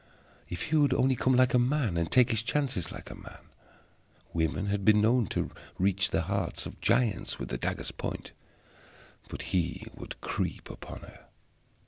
If he would only come like a man, and take his chances like a man! Women had been known to reach the hearts of giants with the dagger's point. But he would creep upon her.